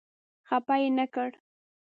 خپه یې نه کړ.